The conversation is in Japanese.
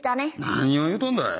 何を言うとんだい。